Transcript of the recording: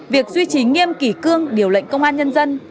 việc duy trì nghiêm kỷ cương